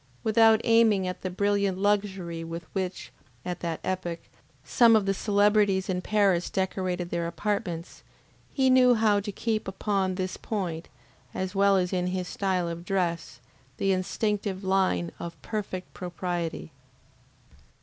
Without aiming at the brilliant luxury with which, at that epoch, some of the celebrities in Paris decorated their apartments, he knew how to keep upon this point, as well as in his style of dress, the instinctive line of perfect propriety.